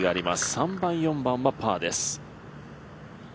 ３番、４番はパーです。